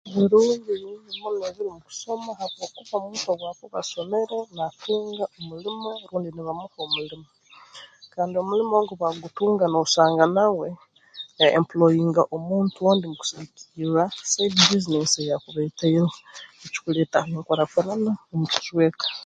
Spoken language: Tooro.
Birungi bingi muno ebiri mu kusoma habwokuba omuntu obu akuba asomere naatunga omulimo rundi nibamuha omulimo kandi omulimo ogu obu akugutunga noosanga nawe ya employinga omunti ondi mu kusigikirra ha side business ey'akuba ataihereho ekikuleeta enkurakurana omu kicweka